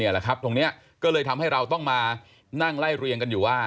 ตรงนี้ก็เลยทำให้เราต้องมานั่งไล่เรียงกันอยู่ว่า